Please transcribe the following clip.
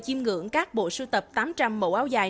chiêm ngưỡng các bộ sưu tập tám trăm linh mẫu áo dài